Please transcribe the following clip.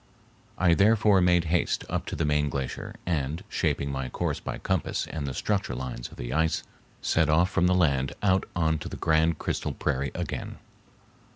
I therefore made haste up to the main glacier, and, shaping my course by compass and the structure lines of the ice, set off from the land out on to the grand crystal prairie again.